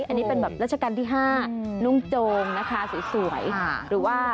อันนี้เป็นแบบรัชกันที่๕นุ่งโจงนะคะสวย